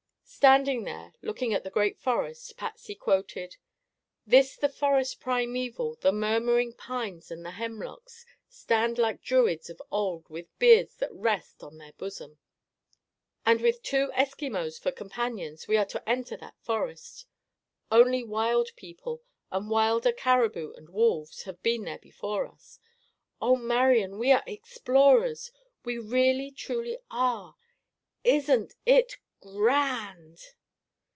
Standing there, looking at the great forest, Patsy quoted: "'This the forest primeval; The murmuring pines and the hemlocks Stand like Druids of old With beards that rest on their bosom.' "And, with two Eskimos for companions, we are to enter that forest. Only wild people, and wilder caribou and wolves, have been there before us. Oh, Marian! We are explorers! We really, truly are! Isn't it gran n d!"